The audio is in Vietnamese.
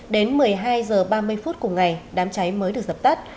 đến một mươi hai h ba mươi phút cùng ngày đám cháy mới được dập tắt